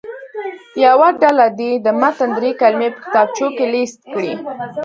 یوه ډله دې د متن دري کلمې په کتابچو کې لیست کړي.